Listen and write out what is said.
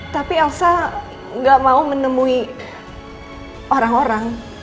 tapi elsa gak mau menemui orang orang